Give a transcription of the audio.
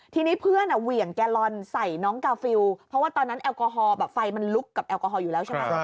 ทีนี้เพื่อนเหวี่ยงแกลลอนใส่น้องกาฟิลเพราะว่าตอนนั้นแอลกอฮอลแบบไฟมันลุกกับแอลกอฮอลอยู่แล้วใช่ไหม